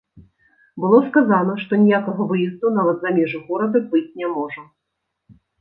Было сказана, што ніякага выезду нават за межы горада быць не можа.